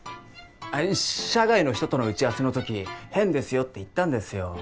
社外の人との打ち合わせの時変ですよって言ったんですよ。